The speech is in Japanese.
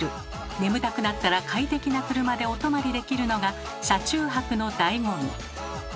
眠たくなったら快適な車でお泊まりできるのが車中泊のだいご味。